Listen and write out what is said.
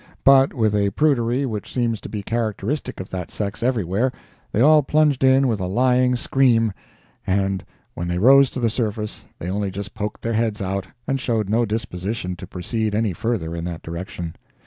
But with a prudery which seems to be characteristic of that sex everywhere, they all plunged in with a lying scream, and when they rose to the surface they only just poked their heads out and showed no disposition to proceed any further in the same direction.